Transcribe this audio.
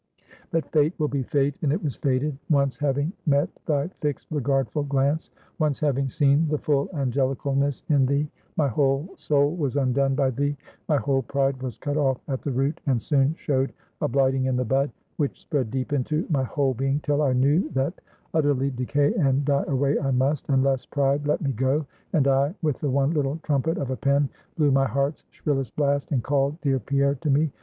But Fate will be Fate, and it was fated. Once having met thy fixed regardful glance; once having seen the full angelicalness in thee, my whole soul was undone by thee; my whole pride was cut off at the root, and soon showed a blighting in the bud; which spread deep into my whole being, till I knew, that utterly decay and die away I must, unless pride let me go, and I, with the one little trumpet of a pen, blew my heart's shrillest blast, and called dear Pierre to me.